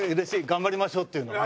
「頑張りましょう」っていうの。